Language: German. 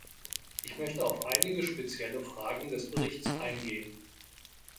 Ich möchte auf einige spezielle Fragen des Berichts eingehen.